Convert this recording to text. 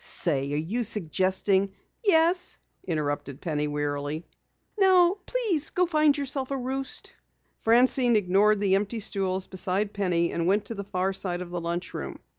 "Say, are you suggesting ?" "Yes," interrupted Penny wearily. "Now please go find yourself a roost!" Francine ignored the empty stools beside Penny and went to the far side of the lunch room.